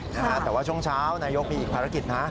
แต่ว่าช่วงเช้านายกมีอีกภารกิจนะ